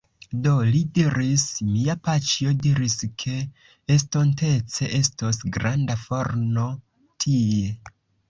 Do, li diris... mia paĉjo diris, ke estontece estos granda forno tie